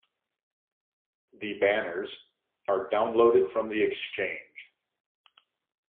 The banners are downloaded from the exchange.